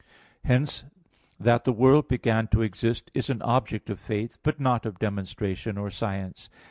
Hence that the world began to exist is an object of faith, but not of demonstration or science.